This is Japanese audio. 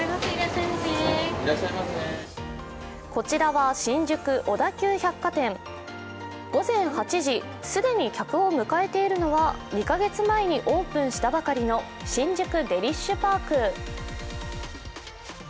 こちらは新宿・小田急百貨店午前８時、既に客を迎えているのは２か月前にオープンしたばかりのＳＨＩＮＪＵＫＵＤＥＬＩＳＨＰＡＲＫ。